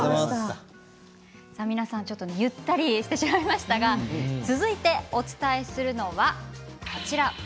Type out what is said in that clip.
皆さん、ちょっとゆったりしてしまいましたが続いてお伝えするのはこちらです。